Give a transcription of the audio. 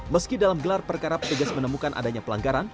meski dalam gelar perkara petugas menemukan adanya pelanggaran